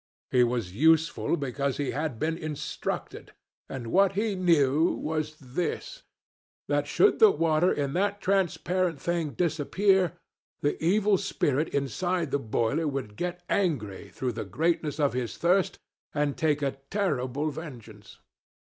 He was useful because he had been instructed; and what he knew was this that should the water in that transparent thing disappear, the evil spirit inside the boiler would get angry through the greatness of his thirst, and take a terrible vengeance.